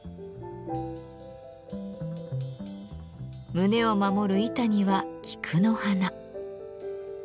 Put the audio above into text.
胸を守る板には菊の花。